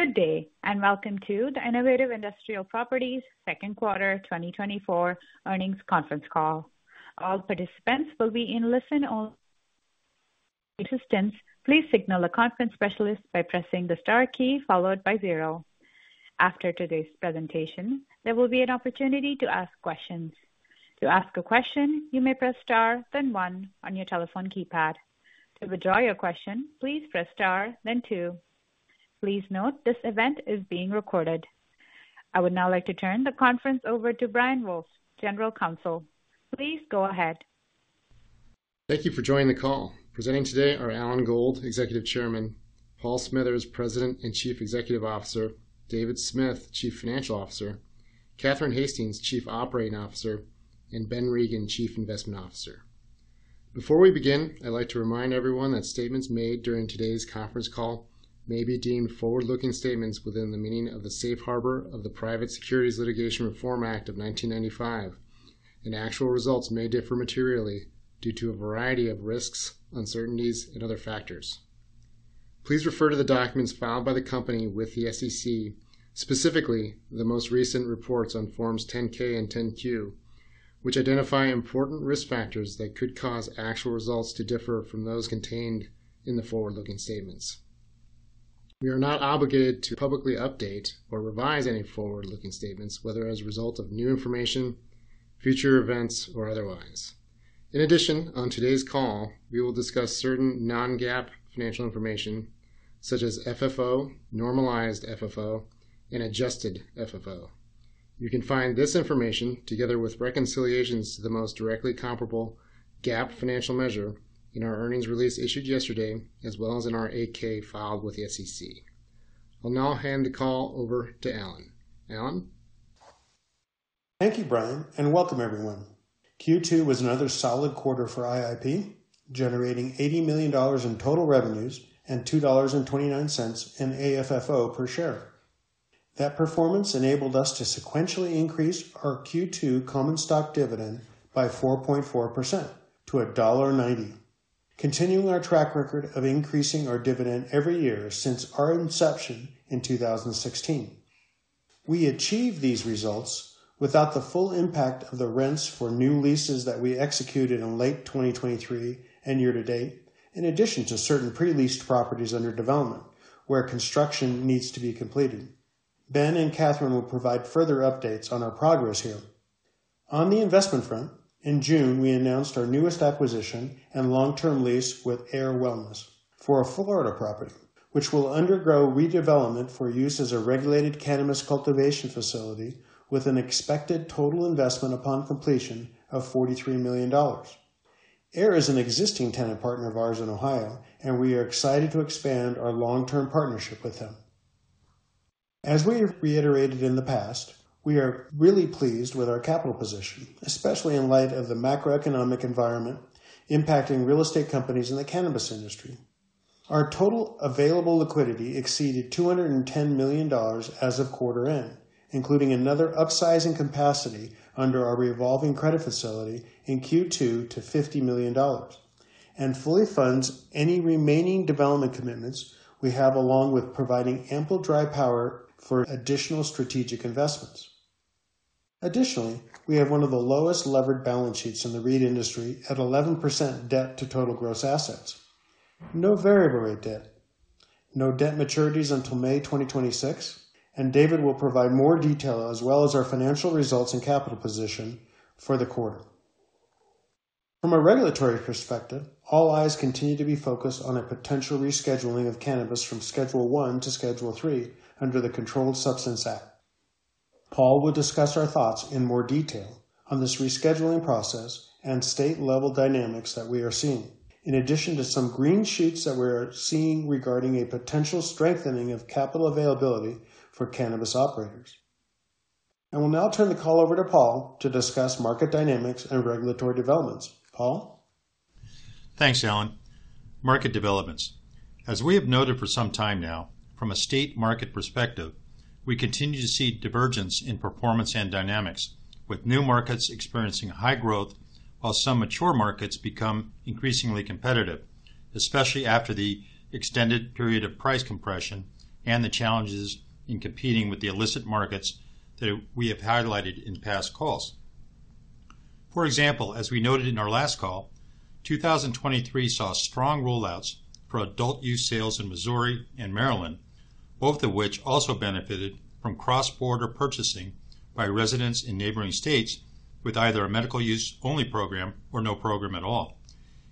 Good day, and welcome to the Innovative Industrial Properties second quarter 2024 earnings conference call. All participants will be in listen-only. Assistance, please signal the conference specialist by pressing the star key followed by zero. After today's presentation, there will be an opportunity to ask questions. To ask a question, you may press star, then one on your telephone keypad. To withdraw your question, please press star, then two. Please note, this event is being recorded. I would now like to turn the conference over to Brian Wolf, General Counsel. Please go ahead. Thank you for joining the call. Presenting today are Alan Gold, Executive Chairman, Paul Smithers, President and Chief Executive Officer, David Smith, Chief Financial Officer, Catherine Hastings, Chief Operating Officer, and Ben Regin, Chief Investment Officer. Before we begin, I'd like to remind everyone that statements made during today's conference call may be deemed forward-looking statements within the meaning of the Safe Harbor of the Private Securities Litigation Reform Act of 1995, and actual results may differ materially due to a variety of risks, uncertainties, and other factors. Please refer to the documents filed by the company with the SEC, specifically the most recent reports on Forms 10-K and 10-Q, which identify important risk factors that could cause actual results to differ from those contained in the forward-looking statements. We are not obligated to publicly update or revise any forward-looking statements, whether as a result of new information, future events, or otherwise. In addition, on today's call, we will discuss certain non-GAAP financial information, such as FFO, normalized FFO, and adjusted FFO. You can find this information, together with reconciliations to the most directly comparable GAAP financial measure in our earnings release issued yesterday, as well as in our 8-K filed with the SEC. I'll now hand the call over to Alan. Alan? Thank you, Brian, and welcome everyone. Q2 was another solid quarter for IIP, generating $80 million in total revenues and $2.29 in AFFO per share. That performance enabled us to sequentially increase our Q2 common stock dividend by 4.4% to $1.90, continuing our track record of increasing our dividend every year since our inception in 2016. We achieved these results without the full impact of the rents for new leases that we executed in late 2023 and year to date, in addition to certain pre-leased properties under development where construction needs to be completed. Ben and Catherine will provide further updates on our progress here. On the investment front, in June, we announced our newest acquisition and long-term lease with Ayr Wellness for a Florida property, which will undergo redevelopment for use as a regulated cannabis cultivation facility with an expected total investment upon completion of $43 million. Ayr is an existing tenant partner of ours in Ohio, and we are excited to expand our long-term partnership with them. As we have reiterated in the past, we are really pleased with our capital position, especially in light of the macroeconomic environment impacting real estate companies in the cannabis industry. Our total available liquidity exceeded $210 million as of quarter end, including another upsizing capacity under our revolving credit facility in Q2 to $50 million, and fully funds any remaining development commitments we have, along with providing ample dry powder for additional strategic investments. Additionally, we have one of the lowest levered balance sheets in the REIT industry at 11% debt to total gross assets. No variable rate debt, no debt maturities until May 2026, and David will provide more detail as well as our financial results and capital position for the quarter. From a regulatory perspective, all eyes continue to be focused on a potential rescheduling of cannabis from Schedule I to Schedule III under the Controlled Substances Act. Paul will discuss our thoughts in more detail on this rescheduling process and state-level dynamics that we are seeing, in addition to some green shoots that we're seeing regarding a potential strengthening of capital availability for cannabis operators. I will now turn the call over to Paul to discuss market dynamics and regulatory developments. Paul? Thanks, Alan. Market developments. As we have noted for some time now, from a state market perspective, we continue to see divergence in performance and dynamics, with new markets experiencing high growth, while some mature markets become increasingly competitive, especially after the extended period of price compression and the challenges in competing with the illicit markets that we have highlighted in past calls. For example, as we noted in our last call, 2023 saw strong rollouts for adult use sales in Missouri and Maryland, both of which also benefited from cross-border purchasing by residents in neighboring states with either a medical use only program or no program at all.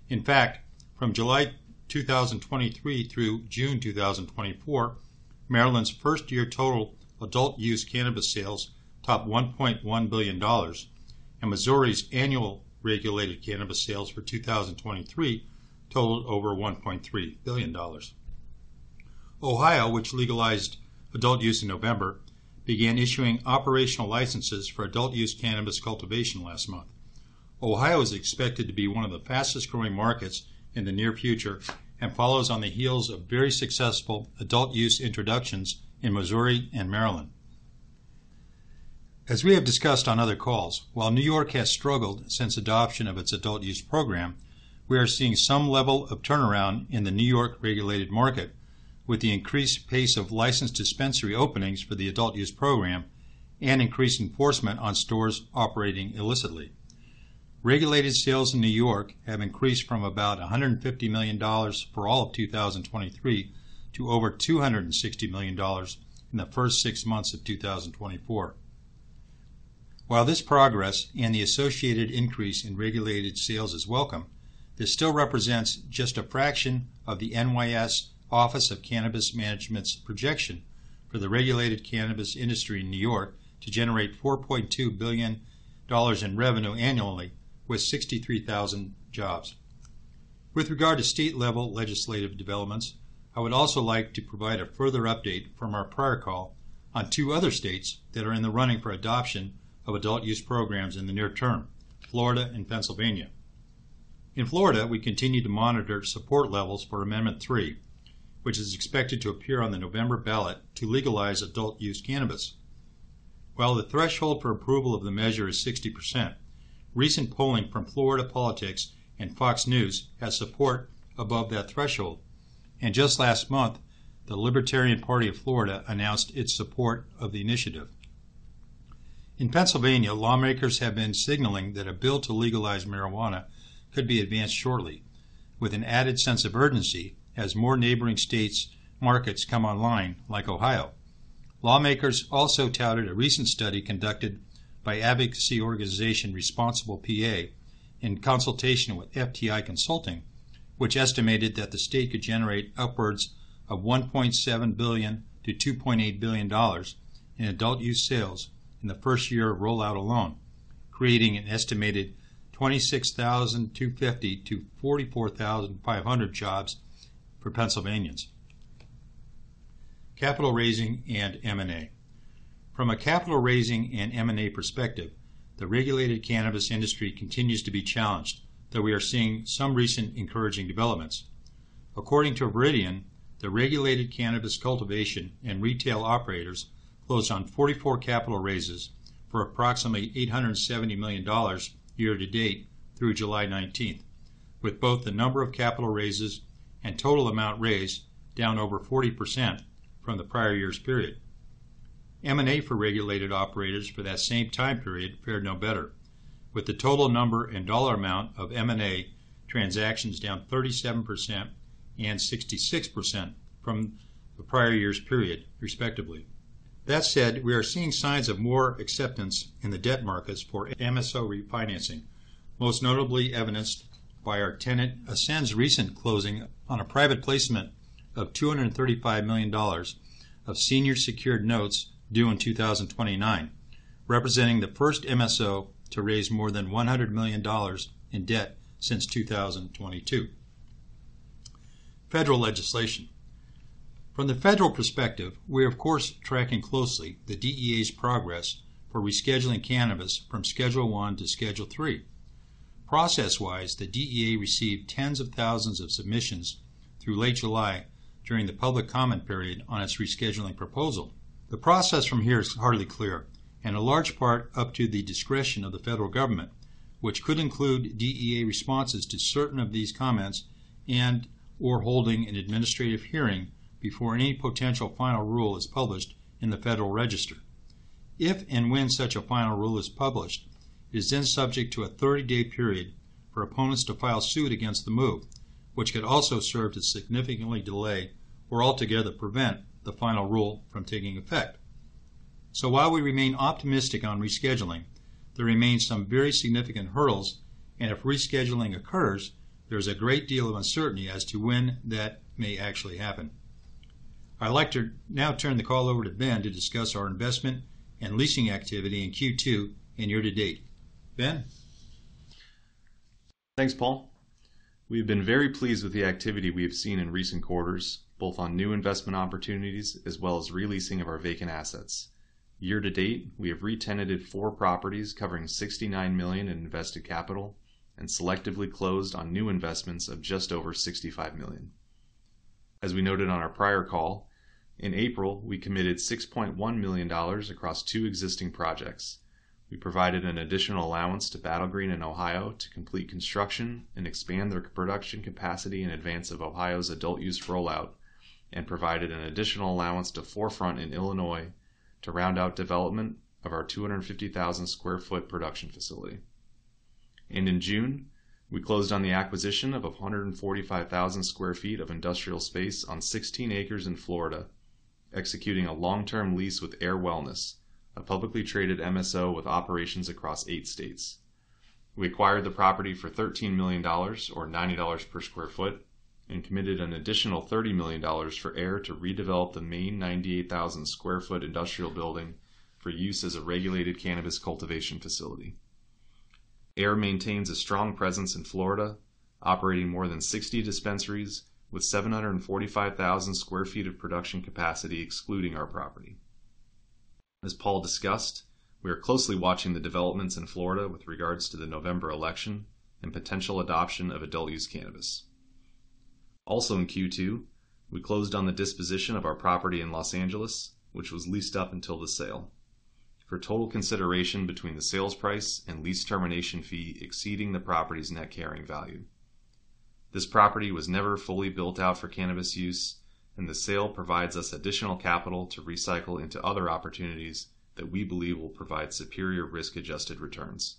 In fact, from July 2023 through June 2024, Maryland's first-year total adult-use cannabis sales topped $1.1 billion, and Missouri's annual regulated cannabis sales for 2023 totaled over $1.3 billion. Ohio, which legalized adult use in November, began issuing operational licenses for adult use cannabis cultivation last month. Ohio is expected to be one of the fastest-growing markets in the near future and follows on the heels of very successful adult use introductions in Missouri and Maryland. As we have discussed on other calls, while New York has struggled since adoption of its adult-use program, we are seeing some level of turnaround in the New York regulated market, with the increased pace of licensed dispensary openings for the adult-use program and increased enforcement on stores operating illicitly. Regulated sales in New York have increased from about $150 million for all of 2023 to over $260 million in the first six months of 2024. While this progress and the associated increase in regulated sales is welcome, this still represents just a fraction of the NYS Office of Cannabis Management's projection for the regulated cannabis industry in New York to generate $4.2 billion in revenue annually, with 63,000 jobs. With regard to state-level legislative developments, I would also like to provide a further update from our prior call on two other states that are in the running for adoption of adult-use programs in the near term, Florida and Pennsylvania. In Florida, we continue to monitor support levels for Amendment Three, which is expected to appear on the November ballot to legalize adult-use cannabis. While the threshold for approval of the measure is 60%, recent polling from Florida Politics and Fox News has support above that threshold, and just last month, the Libertarian Party of Florida announced its support of the initiative. In Pennsylvania, lawmakers have been signaling that a bill to legalize marijuana could be advanced shortly, with an added sense of urgency as more neighboring states' markets come online, like Ohio. Lawmakers also touted a recent study conducted by advocacy organization, Responsible PA, in consultation with FTI Consulting, which estimated that the state could generate upwards of $1.7 billion-$2.8 billion in adult-use sales in the first year of rollout alone, creating an estimated 26,250 to 44,500 jobs for Pennsylvanians. Capital raising and M&A. From a capital raising and M&A perspective, the regulated cannabis industry continues to be challenged, though we are seeing some recent encouraging developments. According to Viridian, the regulated cannabis cultivation and retail operators closed on 44 capital raises for approximately $870 million year to date through July 19, with both the number of capital raises and total amount raised down over 40% from the prior year's period. M&A for regulated operators for that same time period fared no better, with the total number and dollar amount of M&A transactions down 37% and 66% from the prior year's period, respectively. That said, we are seeing signs of more acceptance in the debt markets for MSO refinancing, most notably evidenced by our tenant Ascend's recent closing on a private placement of $235 million of senior secured notes due in 2029, representing the first MSO to raise more than $100 million in debt since 2022. Federal legislation. From the federal perspective, we're of course, tracking closely the DEA's progress for rescheduling cannabis from Schedule I to Schedule III. Process-wise, the DEA received tens of thousands of submissions through late July during the public comment period on its rescheduling proposal. The process from here is hardly clear, and a large part up to the discretion of the federal government, which could include DEA responses to certain of these comments and/or holding an administrative hearing before any potential final rule is published in the Federal Register. If and when such a final rule is published, it is then subject to a 30-day period for opponents to file suit against the move, which could also serve to significantly delay or altogether prevent the final rule from taking effect. So while we remain optimistic on rescheduling, there remains some very significant hurdles, and if rescheduling occurs, there is a great deal of uncertainty as to when that may actually happen. I'd like to now turn the call over to Ben to discuss our investment and leasing activity in Q2 and year to date. Ben? Thanks, Paul. We've been very pleased with the activity we have seen in recent quarters, both on new investment opportunities as well as re-leasing of our vacant assets. Year to date, we have re-tenanted four properties covering $69 million in invested capital and selectively closed on new investments of just over $65 million. As we noted on our prior call, in April, we committed $6.1 million across two existing projects. We provided an additional allowance to Battle Green in Ohio to complete construction and expand their production capacity in advance of Ohio's adult-use rollout, and provided an additional allowance to 4Front in Illinois to round out development of our 250,000 sq ft production facility. In June, we closed on the acquisition of 145,000 sq ft of industrial space on 16 acres in Florida, executing a long-term lease with Ayr Wellness, a publicly traded MSO with operations across eight states. We acquired the property for $13 million, or $90 per sq ft, and committed an additional $30 million for Ayr to redevelop the main 98,000 sq ft industrial building for use as a regulated cannabis cultivation facility. Ayr maintains a strong presence in Florida, operating more than 60 dispensaries with 745,000 sq ft of production capacity, excluding our property. As Paul discussed, we are closely watching the developments in Florida with regards to the November election and potential adoption of adult-use cannabis.... Also in Q2, we closed on the disposition of our property in Los Angeles, which was leased up until the sale, for total consideration between the sales price and lease termination fee exceeding the property's net carrying value. This property was never fully built out for cannabis use, and the sale provides us additional capital to recycle into other opportunities that we believe will provide superior risk-adjusted returns.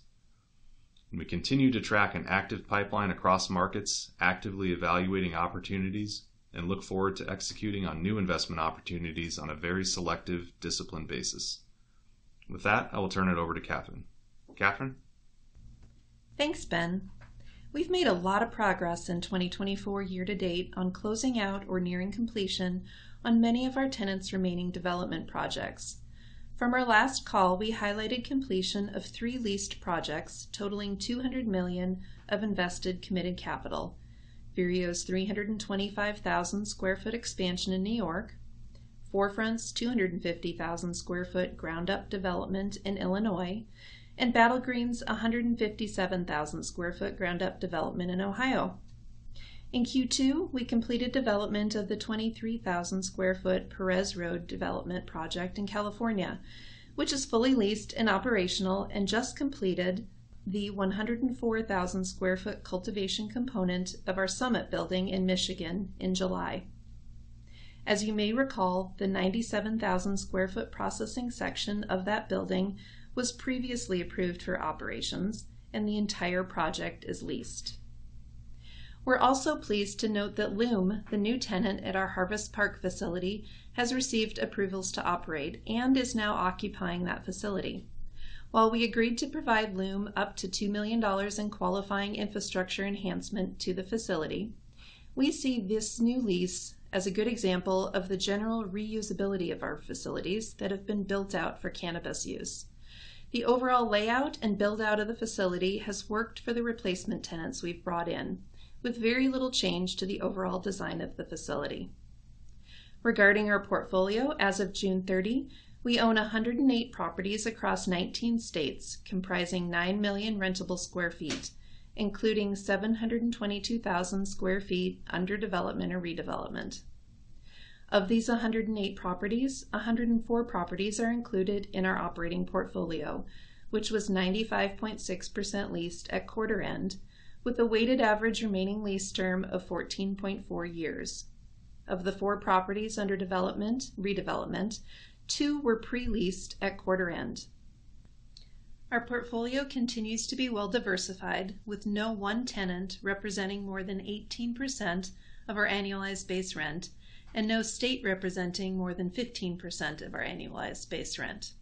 We continue to track an active pipeline across markets, actively evaluating opportunities, and look forward to executing on new investment opportunities on a very selective, disciplined basis. With that, I will turn it over to Catherine. Catherine? Thanks, Ben. We've made a lot of progress in 2024 year to date on closing out or nearing completion on many of our tenants' remaining development projects. From our last call, we highlighted completion of three leased projects totaling $200 million of invested committed capital: Vireo's 325,000 sq ft expansion in New York, Forefront's 250,000 sq ft ground-up development in Illinois, and Battle Green's 157,000 sq ft ground-up development in Ohio. In Q2, we completed development of the 23,000 sq ft Perez Road development project in California, which is fully leased and operational, and just completed the 104,000 sq ft cultivation component of our Summit building in Michigan in July. As you may recall, the 97,000 sq ft processing section of that building was previously approved for operations, and the entire project is leased. We're also pleased to note that Lume, the new tenant at our Harvest Park facility, has received approvals to operate and is now occupying that facility. While we agreed to provide Lume up to $2 million in qualifying infrastructure enhancement to the facility, we see this new lease as a good example of the general reusability of our facilities that have been built out for cannabis use. The overall layout and build-out of the facility has worked for the replacement tenants we've brought in, with very little change to the overall design of the facility. Regarding our portfolio, as of June 30, we own 108 properties across 19 states, comprising 9 million rentable sq ft, including 722,000 sq ft under development or redevelopment. Of these 108 properties, 104 properties are included in our operating portfolio, which was 95.6% leased at quarter end, with a weighted average remaining lease term of 14.4 years. Of the four properties under development, redevelopment, two were pre-leased at quarter end. Our portfolio continues to be well diversified, with no one tenant representing more than 18% of our annualized base rent and no state representing more than 15% of our annualized base rent.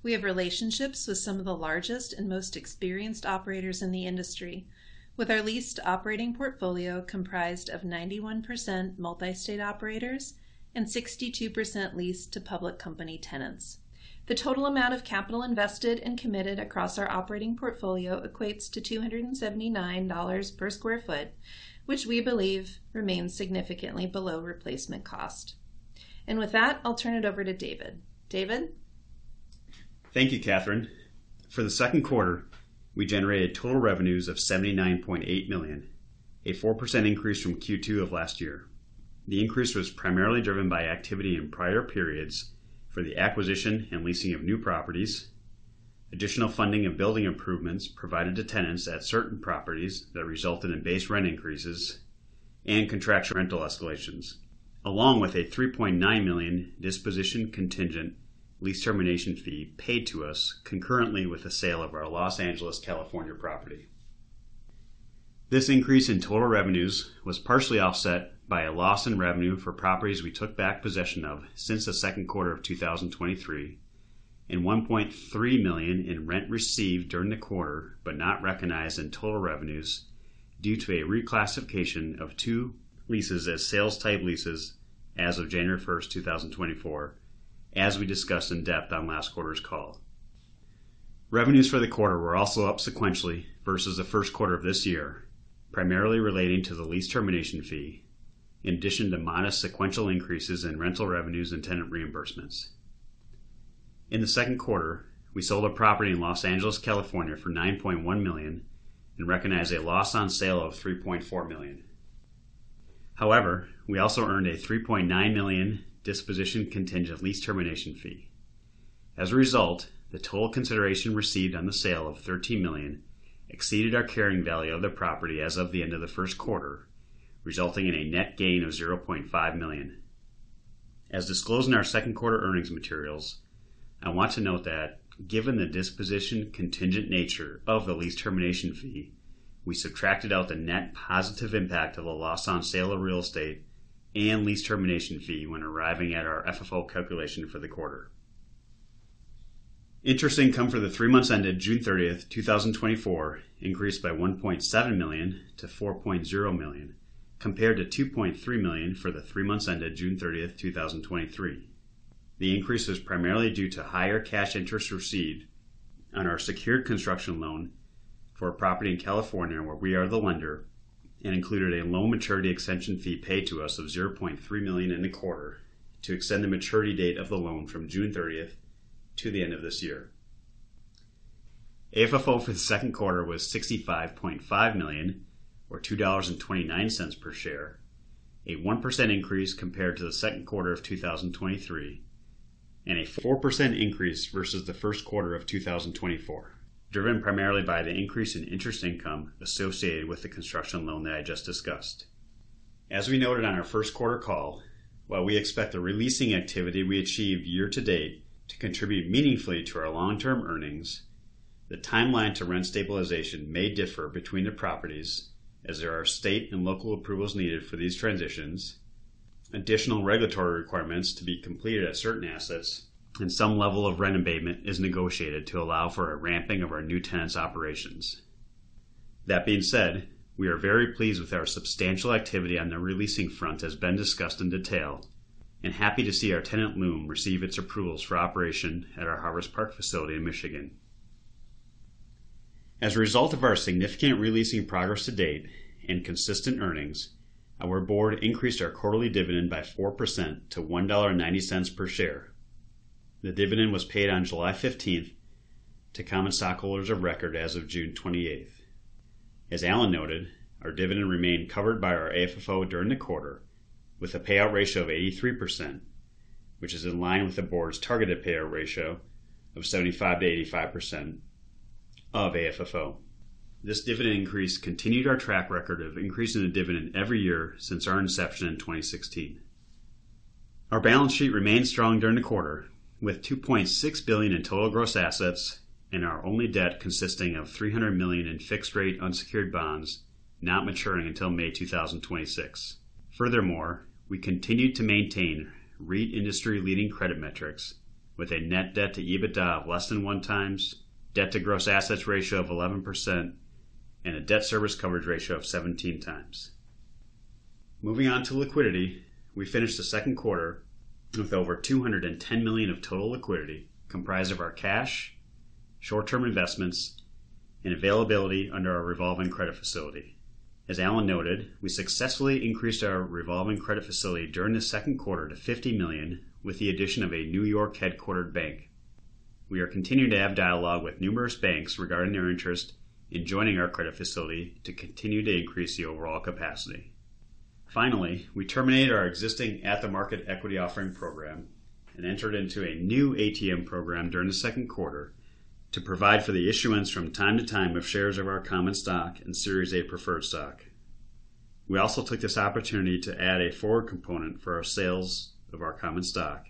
We have relationships with some of the largest and most experienced operators in the industry, with our leased operating portfolio comprised of 91% multi-state operators and 62% leased to public company tenants. The total amount of capital invested and committed across our operating portfolio equates to $279 per sq ft, which we believe remains significantly below replacement cost. With that, I'll turn it over to David. David? Thank you, Catherine. For the second quarter, we generated total revenues of $79.8 million, a 4% increase from Q2 of last year. The increase was primarily driven by activity in prior periods for the acquisition and leasing of new properties, additional funding and building improvements provided to tenants at certain properties that resulted in base rent increases, and contractual rental escalations, along with a $3.9 million disposition contingent lease termination fee paid to us concurrently with the sale of our Los Angeles, California, property. This increase in total revenues was partially offset by a loss in revenue for properties we took back possession of since the second quarter of 2023, and $1.3 million in rent received during the quarter, but not recognized in total revenues, due to a reclassification of two leases as sales-type leases as of January 1, 2024, as we discussed in depth on last quarter's call. Revenues for the quarter were also up sequentially versus the first quarter of this year, primarily relating to the lease termination fee, in addition to modest sequential increases in rental revenues and tenant reimbursements. In the second quarter, we sold a property in Los Angeles, California, for $9.1 million and recognized a loss on sale of $3.4 million. However, we also earned a $3.9 million disposition contingent lease termination fee. As a result, the total consideration received on the sale of $13 million exceeded our carrying value of the property as of the end of the first quarter, resulting in a net gain of $0.5 million. As disclosed in our second quarter earnings materials, I want to note that given the disposition contingent nature of the lease termination fee, we subtracted out the net positive impact of the loss on sale of real estate and lease termination fee when arriving at our FFO calculation for the quarter. Interest income for the three months ended June 30, 2024, increased by $1.7 million to $4.0 million, compared to $2.3 million for the three months ended June 30, 2023. The increase was primarily due to higher cash interest received on our secured construction loan for a property in California, where we are the lender, and included a loan maturity extension fee paid to us of $0.3 million in the quarter to extend the maturity date of the loan from June 30th to the end of this year. AFFO for the second quarter was $65.5 million, or $2.29 per share, a 1% increase compared to the second quarter of 2023, and a 4% increase versus the first quarter of 2024, driven primarily by the increase in interest income associated with the construction loan that I just discussed. As we noted on our first quarter call, while we expect the re-leasing activity we achieved year to date to contribute meaningfully to our long-term earnings, the timeline to rent stabilization may differ between the properties, as there are state and local approvals needed for these transitions, additional regulatory requirements to be completed at certain assets, and some level of rent abatement is negotiated to allow for a ramping of our new tenants' operations. That being said, we are very pleased with our substantial activity on the re-leasing front, as has been discussed in detail, and happy to see our tenant, Lume, receive its approvals for operation at our Harvest Park facility in Michigan. As a result of our significant re-leasing progress to date and consistent earnings, our board increased our quarterly dividend by 4% to $1.90 per share. The dividend was paid on July 15th to common stockholders of record as of June 28th. As Alan noted, our dividend remained covered by our AFFO during the quarter, with a payout ratio of 83%, which is in line with the board's targeted payout ratio of 75%-85% of AFFO. This dividend increase continued our track record of increasing the dividend every year since our inception in 2016. Our balance sheet remained strong during the quarter, with $2.6 billion in total gross assets and our only debt consisting of $300 million in fixed-rate unsecured bonds, not maturing until May 2026. Furthermore, we continued to maintain REIT industry-leading credit metrics with a net debt to EBITDA of less than 1x, debt to gross assets ratio of 11%, and a debt service coverage ratio of 17x. Moving on to liquidity, we finished the second quarter with over $210 million of total liquidity, comprised of our cash, short-term investments, and availability under our revolving credit facility. As Alan noted, we successfully increased our revolving credit facility during the second quarter to $50 million, with the addition of a New York headquartered bank. We are continuing to have dialogue with numerous banks regarding their interest in joining our credit facility to continue to increase the overall capacity. Finally, we terminated our existing at-the-market equity offering program and entered into a new ATM program during the second quarter to provide for the issuance from time to time of shares of our common stock and Series A preferred stock. We also took this opportunity to add a forward component for our sales of our common stock,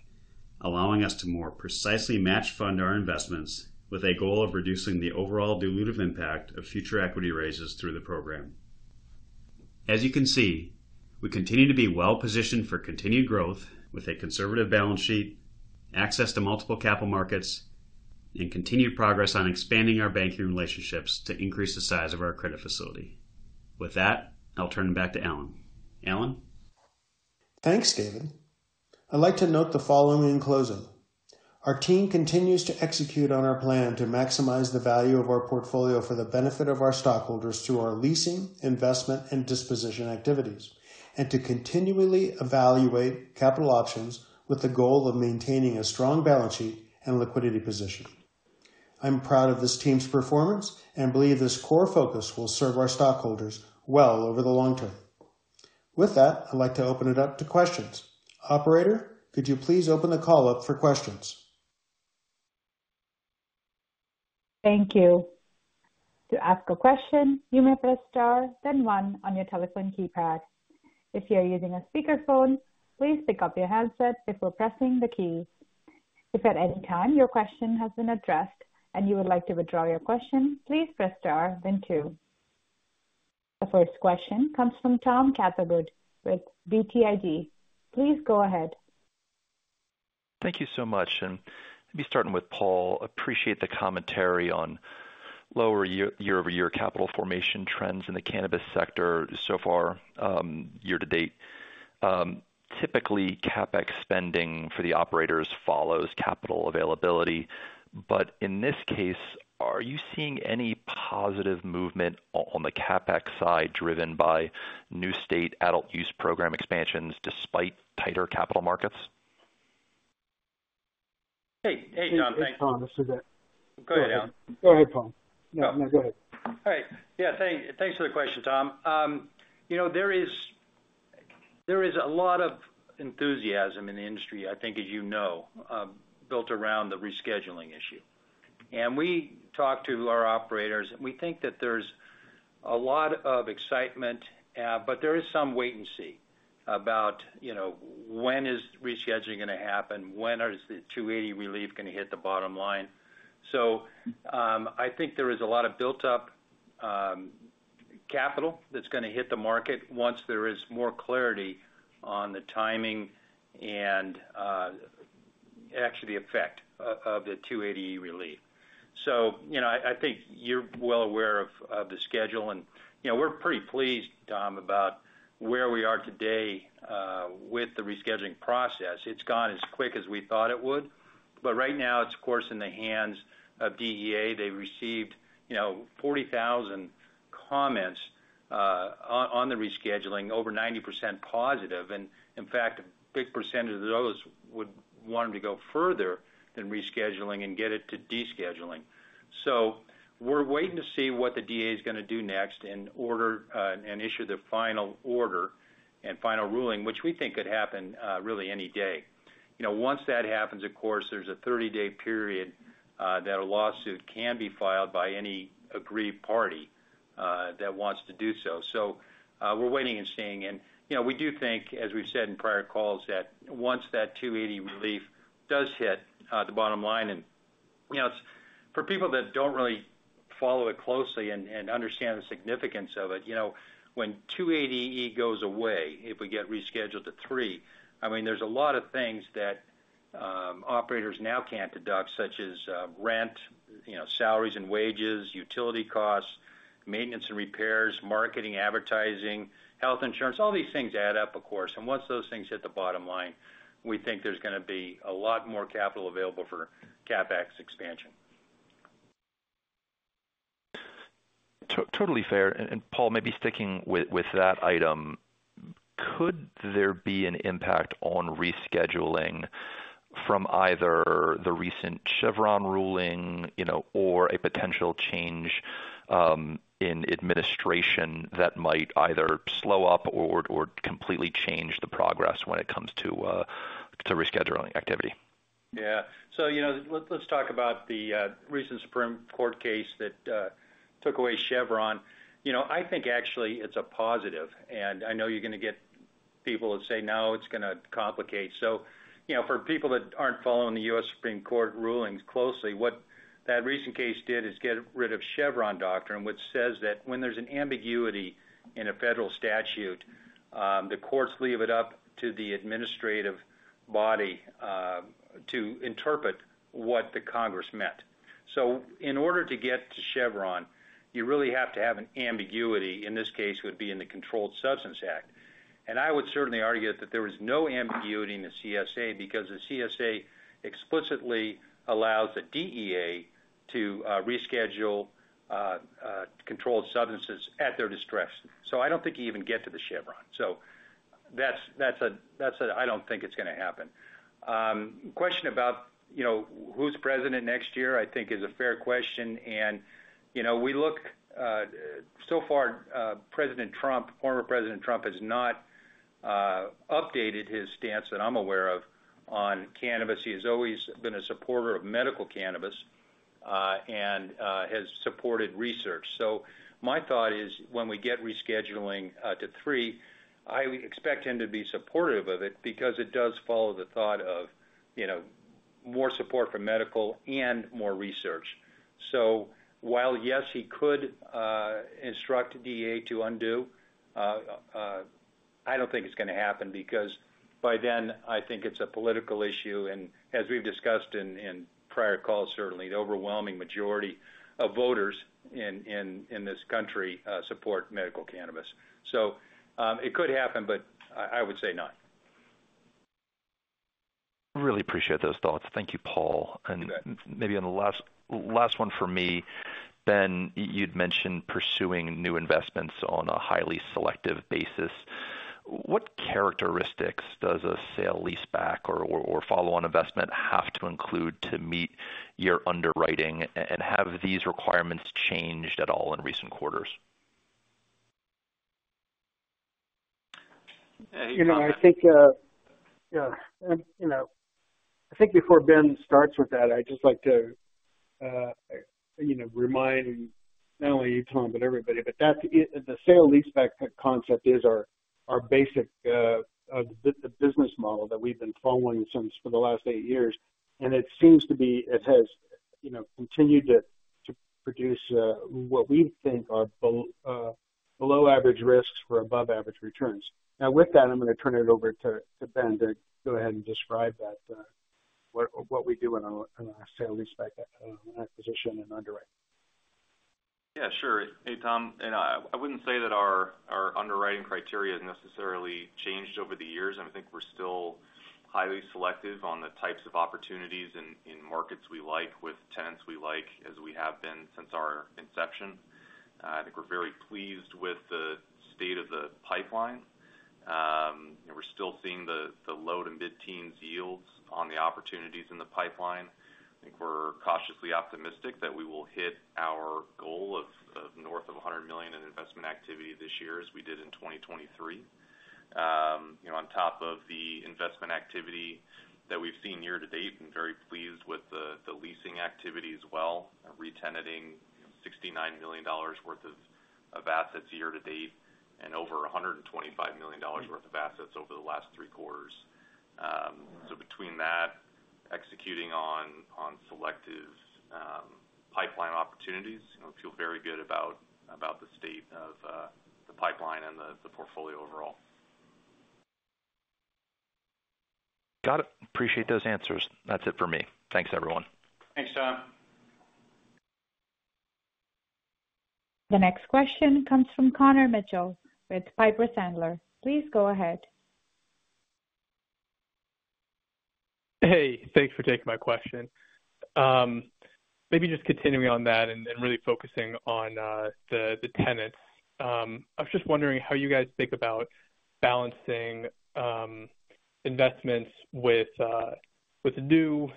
allowing us to more precisely match fund our investments with a goal of reducing the overall dilutive impact of future equity raises through the program. As you can see, we continue to be well positioned for continued growth with a conservative balance sheet, access to multiple capital markets, and continued progress on expanding our banking relationships to increase the size of our credit facility. With that, I'll turn it back to Alan. Alan? Thanks, David. I'd like to note the following in closing. Our team continues to execute on our plan to maximize the value of our portfolio for the benefit of our stockholders through our leasing, investment, and disposition activities, and to continually evaluate capital options with the goal of maintaining a strong balance sheet and liquidity position. I'm proud of this team's performance and believe this core focus will serve our stockholders well over the long term. With that, I'd like to open it up to questions. Operator, could you please open the call up for questions? Thank you. To ask a question, you may press star, then one on your telephone keypad. If you are using a speakerphone, please pick up your handset before pressing the key. If at any time your question has been addressed and you would like to withdraw your question, please press star, then two. The first question comes from Tom Catherwood with BTIG. Please go ahead. Thank you so much. Let me start with Paul. Appreciate the commentary on lower year-over-year capital formation trends in the cannabis sector so far, year to date. Typically, CapEx spending for the operators follows capital availability. But in this case, are you seeing any positive movement on the CapEx side, driven by new state adult use program expansions, despite tighter capital markets? Hey, hey, Tom. Thanks. Hey, Tom. This is it. Go ahead, Alan. Go ahead, Paul. No, no, go ahead. All right. Yeah, thanks for the question, Tom. You know, there is a lot of enthusiasm in the industry, I think, as you know, built around the rescheduling issue. And we talked to our operators, and we think that there's a lot of excitement, but there is some wait and see about, you know, when is rescheduling gonna happen? When is the 280 relief gonna hit the bottom line? So, I think there is a lot of built up capital that's gonna hit the market once there is more clarity on the timing and, actually the effect of the 280 relief. So, you know, I think you're well aware of the schedule, and, you know, we're pretty pleased, Tom, about where we are today, with the rescheduling process. It's gone as quick as we thought it would, but right now it's of course in the hands of DEA. They received, you know, 40,000 comments on the rescheduling, over 90% positive. And in fact, a big percentage of those would want them to go further than rescheduling and get it to descheduling. So we're waiting to see what the DEA is going to do next, and order and issue the final order and final ruling, which we think could happen really any day. You know, once that happens, of course there's a 30-day period that a lawsuit can be filed by any aggrieved party that wants to do so. So we're waiting and seeing. You know, we do think, as we've said in prior calls, that once that 280 relief does hit the bottom line, and you know, for people that don't really follow it closely and understand the significance of it, you know, when 280E goes away, if we get rescheduled to three, I mean, there's a lot of things that operators now can't deduct, such as rent, you know, salaries and wages, utility costs, maintenance and repairs, marketing, advertising, health insurance. All these things add up, of course. And once those things hit the bottom line, we think there's going to be a lot more capital available for CapEx expansion. Totally fair. And, Paul, maybe sticking with that item, could there be an impact on rescheduling from either the recent Chevron ruling, you know, or a potential change in administration that might either slow up or completely change the progress when it comes to rescheduling activity? Yeah. So, you know, let's talk about the recent Supreme Court case that took away Chevron. You know, I think actually it's a positive, and I know you're going to get people that say, "No, it's going to complicate." So, you know, for people that aren't following the U.S. Supreme Court rulings closely, what that recent case did is get rid of Chevron doctrine, which says that when there's an ambiguity in a federal statute, the courts leave it up to the administrative body to interpret what the Congress meant. So in order to get to Chevron, you really have to have an ambiguity, in this case would be in the Controlled Substances Act. And I would certainly argue that there is no ambiguity in the CSA, because the CSA explicitly allows the DEA to reschedule controlled substances at their discretion. So I don't think you even get to the Chevron. So that's, that's a-- I don't think it's going to happen. Question about, you know, who's president next year, I think is a fair question, and, you know, we look, so far, President Trump, former President Trump, has not updated his stance that I'm aware of on cannabis. He has always been a supporter of medical cannabis, and has supported research. So my thought is, when we get rescheduling, to three, I expect him to be supportive of it because it does follow the thought of, you know, more support for medical and more research. So while, yes, he could instruct DEA to undo, I don't think it's going to happen, because by then, I think it's a political issue. As we've discussed in prior calls, certainly the overwhelming majority of voters in this country support medical cannabis. So, it could happen, but I would say not. Really appreciate those thoughts. Thank you, Paul. You bet. Maybe on the last, last one for me, Ben, you'd mentioned pursuing new investments on a highly selective basis. What characteristics does a sale-leaseback or, or follow-on investment have to include to meet your underwriting? Have these requirements changed at all in recent quarters? You know, I think, yeah, you know, I think before Ben starts with that, I'd just like to, you know, remind not only you, Tom, but everybody, but that's the sale and leaseback concept is our basic the business model that we've been following since for the last eight years. And it seems to be it has, you know, continued to produce what we think are below average risks for above average returns. Now, with that, I'm going to turn it over to Ben to go ahead and describe that what we do in a sale leaseback acquisition and underwrite. Yeah, sure. Hey, Tom, and I wouldn't say that our underwriting criteria has necessarily changed over the years. I think we're still highly selective on the types of opportunities in markets we like, with tenants we like, as we have been since our inception. I think we're very pleased with the state of the pipeline. And we're still seeing the low- to mid-teens yields on the opportunities in the pipeline. I think we're cautiously optimistic that we will hit our goal of north of $100 million in investment activity this year, as we did in 2023. You know, on top of the investment activity that we've seen year to date, I'm very pleased with the leasing activity as well. Re-tenanting $69 million worth of assets year to date, and over $125 million worth of assets over the last three quarters. So between that, executing on selective pipeline opportunities, you know, feel very good about the state of the pipeline and the portfolio overall. Got it. Appreciate those answers. That's it for me. Thanks, everyone. Thanks, Tom. The next question comes from Connor Mitchell with Piper Sandler. Please go ahead.... Hey, thanks for taking my question. Maybe just continuing on that and really focusing on the tenants. I was just wondering how you guys think about balancing investments with the new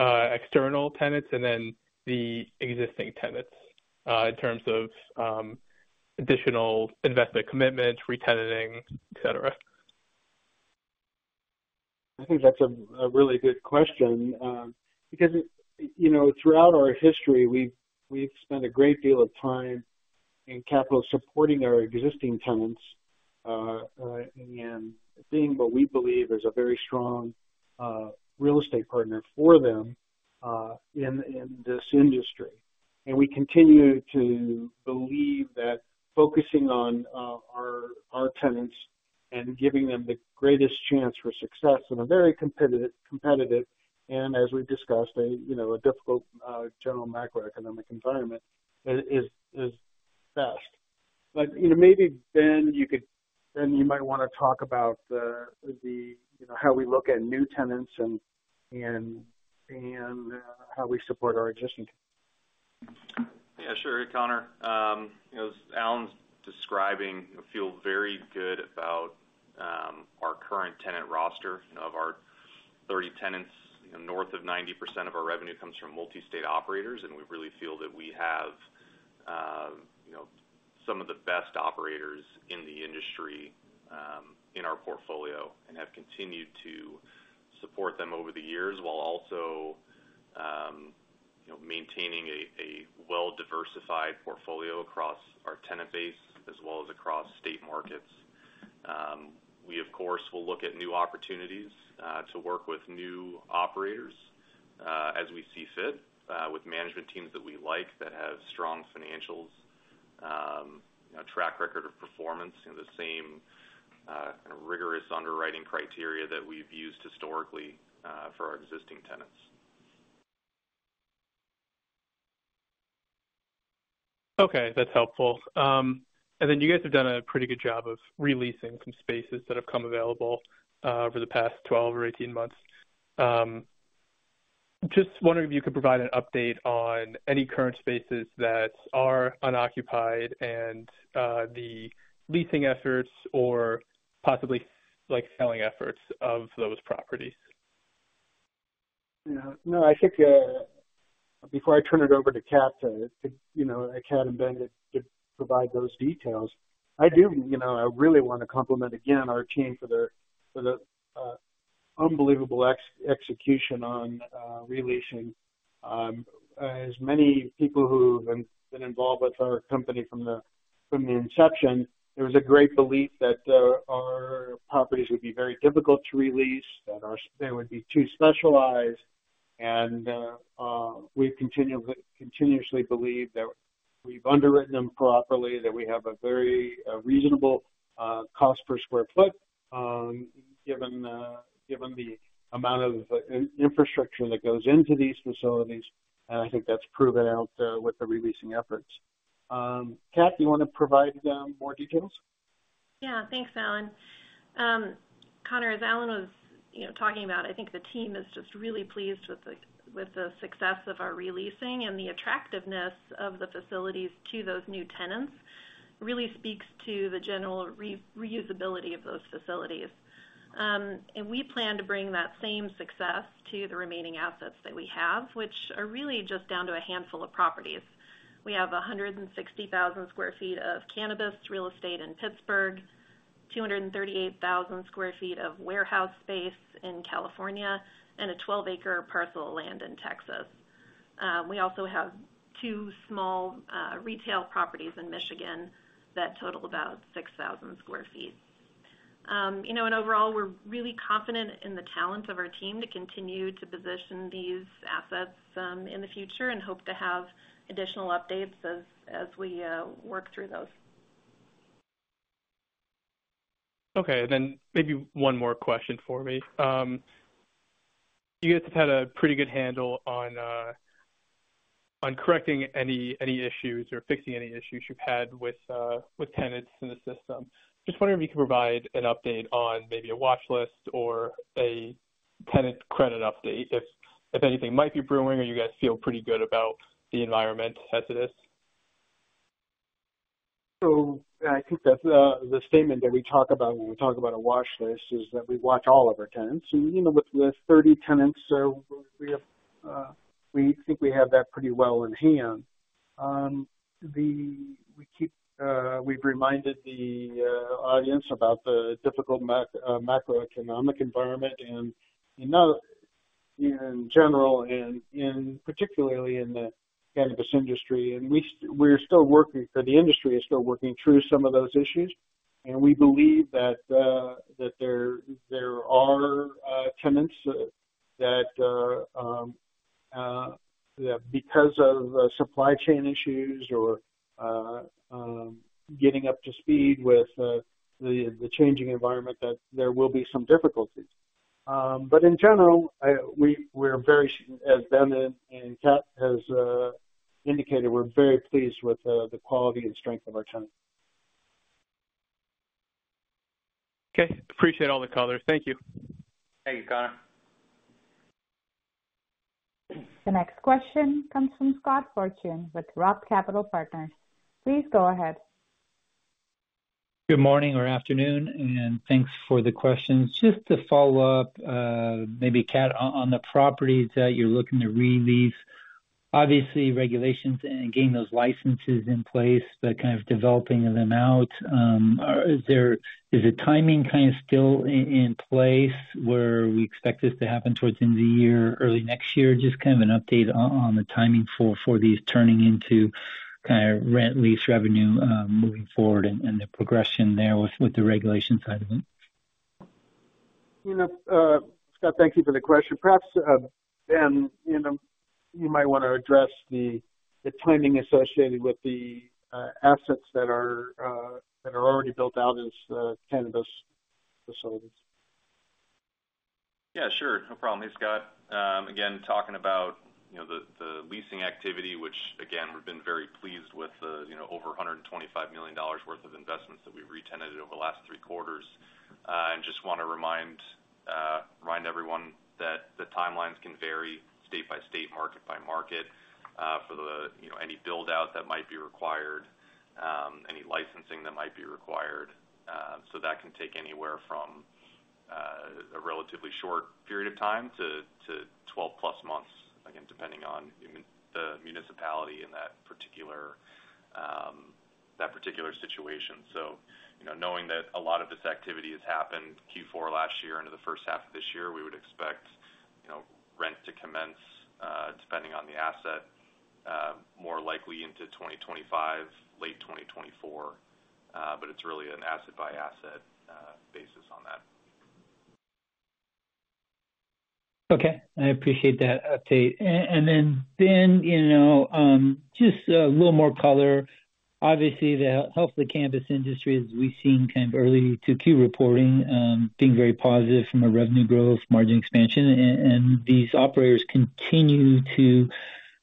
external tenants and then the existing tenants in terms of additional investment commitments, re-tenanting, et cetera. I think that's a really good question. Because it—you know, throughout our history, we've spent a great deal of time in capital supporting our existing tenants and being what we believe is a very strong real estate partner for them in this industry. And we continue to believe that focusing on our tenants and giving them the greatest chance for success in a very competitive, competitive, and as we've discussed, you know, a difficult general macroeconomic environment is best. But you know, maybe, Ben, you could—Ben, you might wanna talk about the you know, how we look at new tenants and how we support our existing tenants. Yeah, sure, Connor. You know, as Alan's describing, we feel very good about our current tenant roster. Of our 30 tenants, north of 90% of our revenue comes from multi-state operators, and we really feel that we have you know, some of the best operators in the industry in our portfolio and have continued to support them over the years, while also you know, maintaining a well-diversified portfolio across our tenant base as well as across state markets. We, of course, will look at new opportunities to work with new operators as we see fit with management teams that we like, that have strong financials a track record of performance, and the same kind of rigorous underwriting criteria that we've used historically for our existing tenants. Okay, that's helpful. And then you guys have done a pretty good job of re-leasing some spaces that have come available over the past 12 or 18 months. Just wondering if you could provide an update on any current spaces that are unoccupied and the leasing efforts or possibly, like, selling efforts of those properties. Yeah. No, I think, before I turn it over to Kat, you know, Kat and Ben, to provide those details, I do, you know, I really want to compliment again, our team for their unbelievable execution on re-leasing. As many people who've been involved with our company from the inception, there was a great belief that our properties would be very difficult to re-lease, that our... They would be too specialized, and we've continuously believed that we've underwritten them properly, that we have a very reasonable cost per square foot, given the amount of infrastructure that goes into these facilities, and I think that's proven out with the re-leasing efforts. Kat, do you want to provide more details? Yeah. Thanks, Alan. Connor, as Alan was, you know, talking about, I think the team is just really pleased with the success of our re-leasing and the attractiveness of the facilities to those new tenants. It really speaks to the general re-usability of those facilities. We plan to bring that same success to the remaining assets that we have, which are really just down to a handful of properties. We have 160,000 sq ft of cannabis real estate in Pittsburgh, 238,000 sq ft of warehouse space in California, and a 12-acre parcel of land in Texas. We also have two small retail properties in Michigan that total about 6,000 sq ft. You know, and overall, we're really confident in the talents of our team to continue to position these assets in the future and hope to have additional updates as we work through those. Okay, then maybe one more question for me. You guys have had a pretty good handle on, on correcting any, any issues or fixing any issues you've had with, with tenants in the system. Just wondering if you can provide an update on maybe a watch list or a tenant credit update, if, if anything might be brewing, or you guys feel pretty good about the environment as it is? So I think that's the statement that we talk about when we talk about a watch list, is that we watch all of our tenants. So, you know, with the 30 tenants, so we have, we think we have that pretty well in hand. We keep, we've reminded the audience about the difficult macroeconomic environment and, you know, in general and, particularly in the cannabis industry. And we, we're still working, for the industry, are still working through some of those issues, and we believe that, that there, there are, tenants that, because of supply chain issues or, getting up to speed with, the, the changing environment, that there will be some difficulties. But in general, as Ben and Kat has indicated, we're very pleased with the quality and strength of our tenants.... Okay, appreciate all the colors. Thank you. Thank you, Connor. The next question comes from Scott Fortune with Roth MKM. Please go ahead. Good morning or afternoon, and thanks for the questions. Just to follow up, maybe, Kat, on, on the properties that you're looking to re-lease. Obviously, regulations and getting those licenses in place, the kind of developing of them out, is there, is the timing kind of still in, in place where we expect this to happen towards the end of the year, early next year? Just kind of an update on, on the timing for, for these turning into kind of rent lease revenue, moving forward and, and the progression there with, with the regulation side of it. You know, Scott, thank you for the question. Perhaps, Ben, you know, you might wanna address the timing associated with the assets that are already built out as cannabis facilities. Yeah, sure. No problem. Hey, Scott. Again, talking about, you know, the leasing activity, which again, we've been very pleased with the, you know, over $125 million worth of investments that we've re-tenanted over the last three quarters. And just wanna remind everyone that the timelines can vary state by state, market by market, for the, you know, any build-out that might be required, any licensing that might be required. So that can take anywhere from a relatively short period of time to 12+ months, again, depending on the municipality in that particular situation. So, you know, knowing that a lot of this activity has happened Q4 last year into the first half of this year, we would expect, you know, rent to commence, depending on the asset, more likely into 2025, late 2024, but it's really an asset by asset, basis on that. Okay, I appreciate that update. And then, Ben, you know, just a little more color. Obviously, the health of the cannabis industry, as we've seen kind of early 2Q reporting, being very positive from a revenue growth, margin expansion, and these operators continue to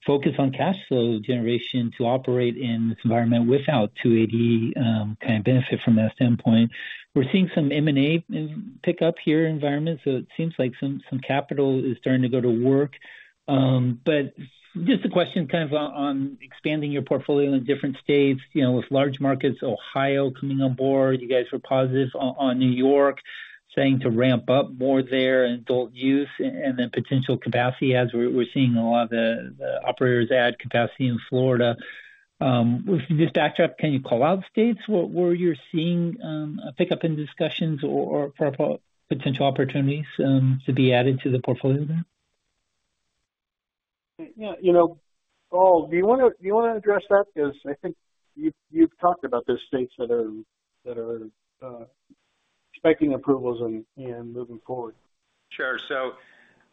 focus on cash flow generation to operate in this environment without 280E, kind of benefit from that standpoint. We're seeing some M&A pick up in the environment, so it seems like some capital is starting to go to work. But just a question kind of on expanding your portfolio in different states, you know, with large markets, Ohio, coming on board, you guys were positive on New York, saying to ramp up more there in adult use and the potential capacity as we're seeing a lot of the operators add capacity in Florida. With this backdrop, can you call out states where you're seeing a pickup in discussions or potential opportunities to be added to the portfolio there? Yeah, you know, Paul, do you wanna address that? Because I think you've talked about those states that are expecting approvals and moving forward. Sure. So,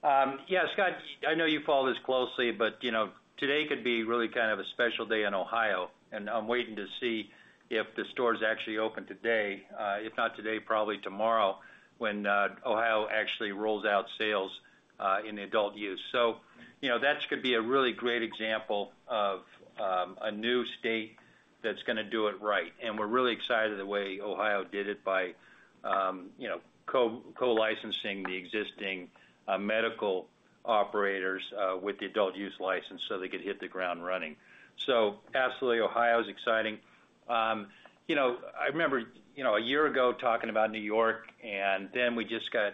yeah, Scott, I know you follow this closely, but, you know, today could be really kind of a special day in Ohio, and I'm waiting to see if the stores actually open today, if not today, probably tomorrow, when Ohio actually rolls out sales in adult use. So, you know, that could be a really great example of a new state that's gonna do it right. And we're really excited the way Ohio did it by, you know, co-licensing the existing medical operators with the adult use license so they could hit the ground running. So absolutely, Ohio is exciting. You know, I remember, you know, a year ago talking about New York, and then we just got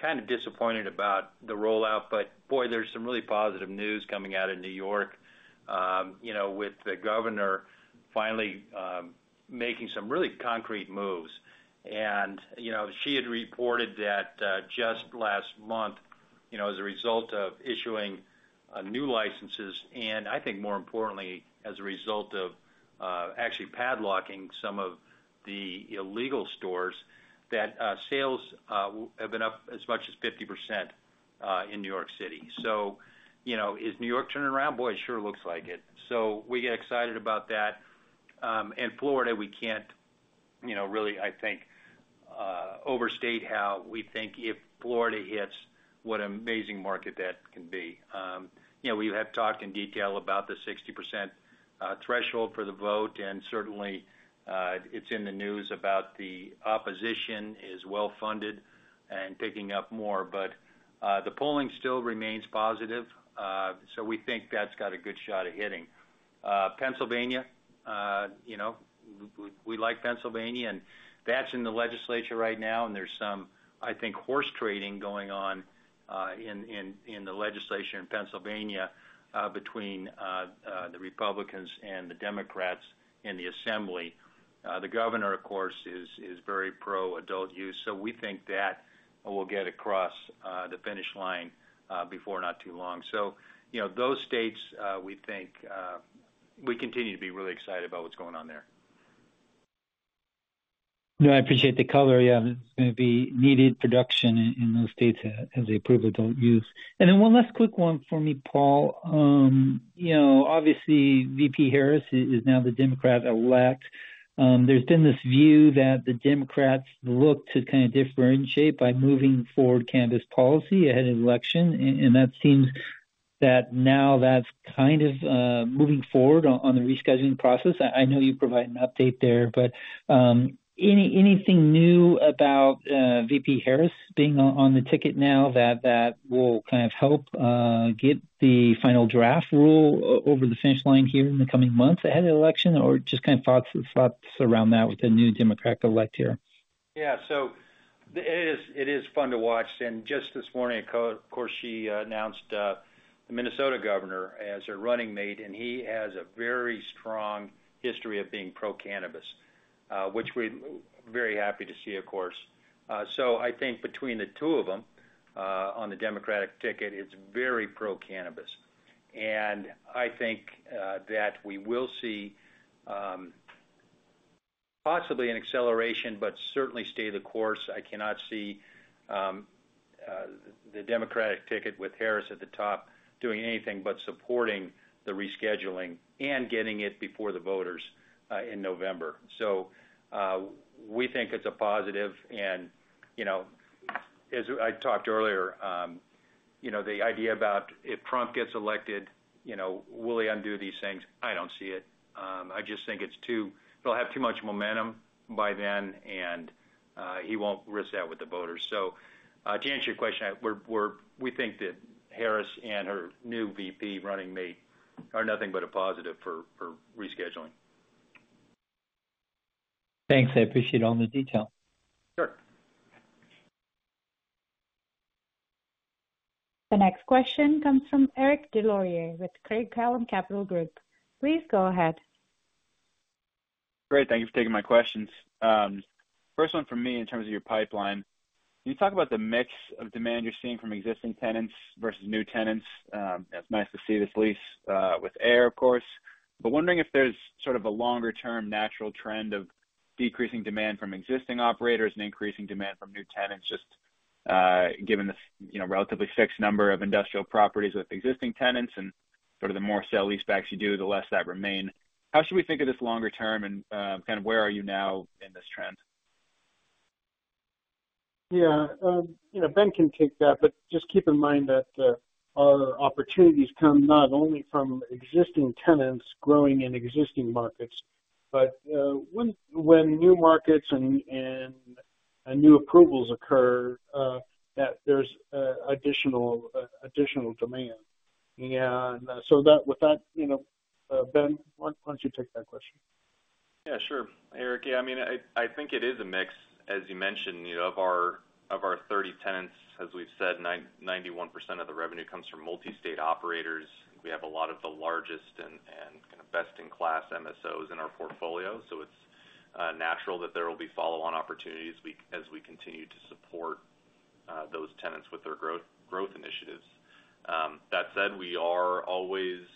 kind of disappointed about the rollout. But, boy, there's some really positive news coming out of New York, you know, with the governor finally making some really concrete moves. And, you know, she had reported that just last month, you know, as a result of issuing new licenses, and I think more importantly, as a result of actually padlocking some of the illegal stores, that sales have been up as much as 50% in New York City. So, you know, is New York turning around? Boy, it sure looks like it. So we get excited about that. And Florida, we can't, you know, really, I think overstate how we think if Florida hits, what amazing market that can be. You know, we have talked in detail about the 60% threshold for the vote, and certainly, it's in the news about the opposition is well funded and picking up more. But, the polling still remains positive, so we think that's got a good shot at hitting. Pennsylvania, you know, we like Pennsylvania, and that's in the legislature right now, and there's some, I think, horse trading going on, in the legislation in Pennsylvania, between the Republicans and the Democrats in the Assembly. The governor, of course, is very pro-adult use, so we think that will get across the finish line before not too long. So, you know, those states, we think, we continue to be really excited about what's going on there. No, I appreciate the color. Yeah, there's gonna be needed production in, in those states as they approve adult use. And then one last quick one for me, Paul. You know, obviously, VP Harris is now the Democrat elect. There's been this view that the Democrats look to kind of differentiate by moving forward cannabis policy ahead of the election, and that seems that now that's kind of moving forward on the rescheduling process. I know you provide an update there, but anything new about VP Harris being on the ticket now that that will kind of help get the final draft rule over the finish line here in the coming months ahead of the election, or just kind of thoughts around that with the new Democratic elect here? Yeah. So it is, it is fun to watch. And just this morning, of course, she announced the Minnesota governor as her running mate, and he has a very strong history of being pro-cannabis, which we're very happy to see, of course. So I think between the two of them, on the Democratic ticket, it's very pro-cannabis. And I think that we will see, possibly an acceleration, but certainly stay the course. I cannot see the Democratic ticket with Harris at the top, doing anything but supporting the rescheduling and getting it before the voters in November. So we think it's a positive and, you know, as I talked earlier, you know, the idea about if Trump gets elected, you know, will he undo these things? I don't see it. I just think it's too—he'll have too much momentum by then, and he won't risk that with the voters. So, to answer your question, we think that Harris and her new VP running mate are nothing but a positive for rescheduling. Thanks. I appreciate all the detail. Sure. The next question comes from Eric Deslauriers, with Craig-Hallum Capital Group. Please go ahead. Great, thank you for taking my questions. First one from me, in terms of your pipeline. Can you talk about the mix of demand you're seeing from existing tenants versus new tenants? It's nice to see this lease with Ayr, of course, but wondering if there's sort of a longer-term natural trend of decreasing demand from existing operators and increasing demand from new tenants, just given the, you know, relatively fixed number of industrial properties with existing tenants and sort of the more sale-leasebacks you do, the less that remain. How should we think of this longer term and kind of where are you now in this trend? Yeah, you know, Ben can take that, but just keep in mind that our opportunities come not only from existing tenants growing in existing markets, but when new markets and new approvals occur, that there's additional demand. And so with that, you know, Ben, why don't you take that question? Yeah, sure. Eric, yeah, I mean, I think it is a mix, as you mentioned, you know, of our 30 tenants, as we've said, 91% of the revenue comes from multi-state operators. We have a lot of the largest and kind of best-in-class MSOs in our portfolio, so it's natural that there will be follow-on opportunities we as we continue to support those tenants with their growth initiatives. That said, we are always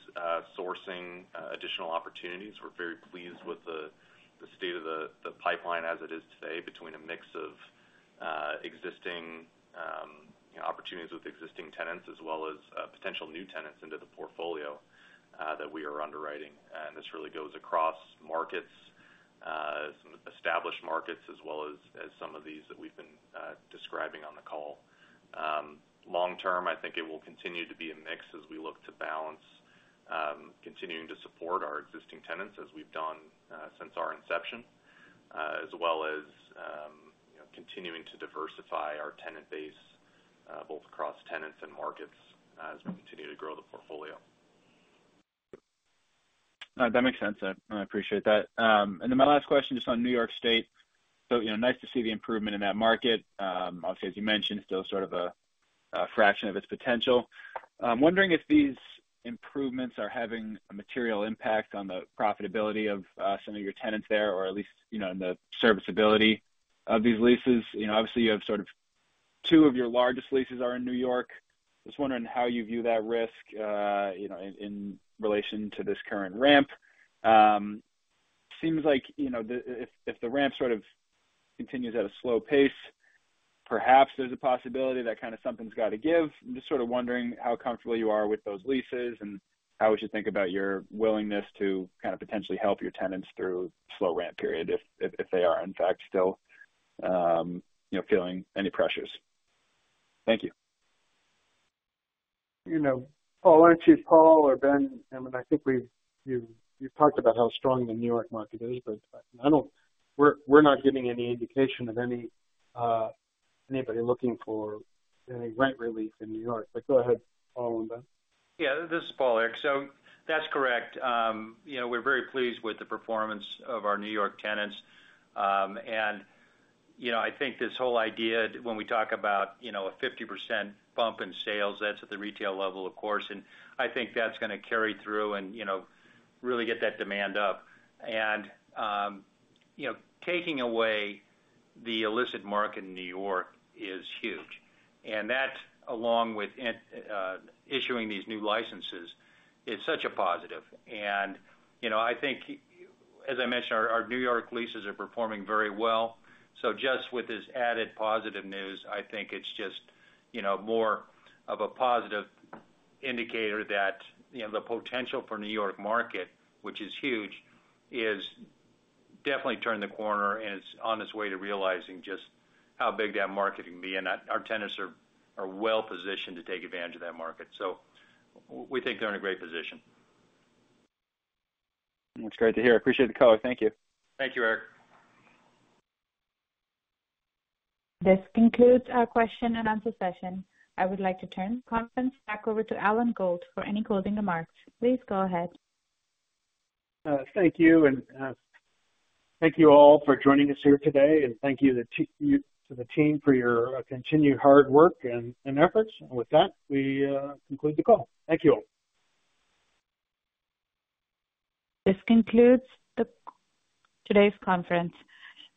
sourcing additional opportunities. We're very pleased with the state of the pipeline as it is today, between a mix of existing, you know, opportunities with existing tenants as well as potential new tenants into the portfolio that we are underwriting. This really goes across markets, some established markets, as well as some of these that we've been describing on the call. Long term, I think it will continue to be a mix as we look to balance continuing to support our existing tenants as we've done since our inception, as well as you know, continuing to diversify our tenant base both across tenants and markets as we continue to grow the portfolio. That makes sense. I appreciate that. And then my last question, just on New York State. So, you know, nice to see the improvement in that market. Obviously, as you mentioned, still sort of a fraction of its potential. I'm wondering if these improvements are having a material impact on the profitability of some of your tenants there, or at least, you know, in the serviceability of these leases. You know, obviously, you have sort of two of your largest leases are in New York. Just wondering how you view that risk, you know, in relation to this current ramp. Seems like, you know, if the ramp sort of continues at a slow pace, perhaps there's a possibility that kind of something's got to give. I'm just sort of wondering how comfortable you are with those leases, and how we should think about your willingness to kind of potentially help your tenants through slow ramp period, if, if they are, in fact, still, you know, feeling any pressures? Thank you. You know, Paul, why don't you, Paul or Ben? I mean, I think we've, you've, you've talked about how strong the New York market is, but I don't... We're, we're not getting any indication of any anybody looking for any rent relief in New York. But go ahead, Paul or Ben. Yeah, this is Paul, Eric. So that's correct. You know, we're very pleased with the performance of our New York tenants. And, you know, I think this whole idea when we talk about, you know, a 50% bump in sales, that's at the retail level, of course, and I think that's gonna carry through and, you know, really get that demand up. And, you know, taking away the illicit market in New York is huge, and that, along with issuing these new licenses, is such a positive. And, you know, I think, as I mentioned, our, our New York leases are performing very well. So just with this added positive news, I think it's just, you know, more of a positive indicator that, you know, the potential for New York market, which is huge, is definitely turned the corner and is on its way to realizing just how big that market can be, and our tenants are well positioned to take advantage of that market. So we think they're in a great position. That's great to hear. I appreciate the color. Thank you. Thank you, Eric. This concludes our question and answer session. I would like to turn the conference back over to Alan Gold for any closing remarks. Please go ahead. Thank you, and thank you all for joining us here today, and thank you to the team for your continued hard work and efforts. With that, we conclude the call. Thank you all. This concludes today's conference.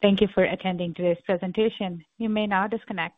Thank you for attending today's presentation. You may now disconnect.